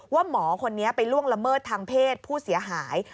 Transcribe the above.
หมอคนนี้ไปล่วงละเมิดทางเพศผู้เสียหาย